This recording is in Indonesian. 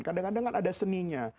kadang kadang ada seninya